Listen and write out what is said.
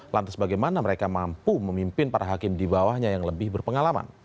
lantas bagaimana mereka mampu memimpin para hakim di bawahnya yang lebih berpengalaman